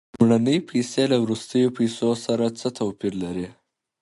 لومړنۍ پیسې له وروستیو پیسو سره څه توپیر لري